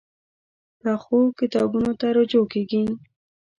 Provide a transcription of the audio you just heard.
پخو کتابونو ته رجوع کېږي